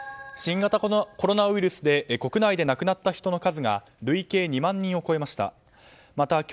新型コロナウイルスで国内で亡くなった人の数が累計２万人を超えました。